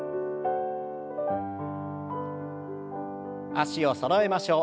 脚をそろえましょう。